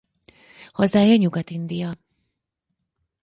Hazája Nyugat-India.